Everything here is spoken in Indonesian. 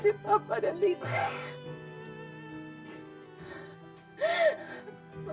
siapa yang terjadi